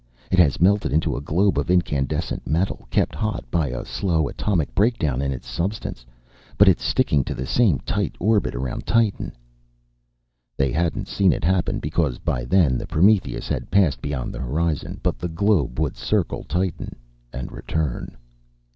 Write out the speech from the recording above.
"It has melted to a globe of incandescent metal, kept hot by a slow atomic breakdown in its substance. But it's sticking to the same tight orbit around Titan." They hadn't seen it happen because by then the Prometheus had passed beyond the horizon. But the globe would circle Titan and return.